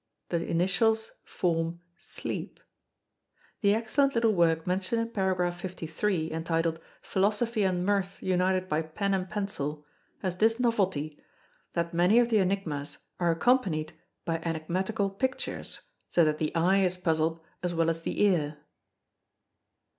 The initials form sleep. The excellent little work mentioned in para. 63, entitled "Philosophy and Mirth united by Pen and Pencil," has this novelty, that many of the Enigmas are accompanied by enigmatical pictures, so that the eye is puzzled as well as the ear.